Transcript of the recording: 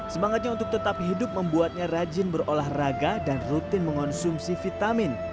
semangatnya untuk tetap hidup membuatnya rajin berolahraga dan rutin mengonsumsi vitamin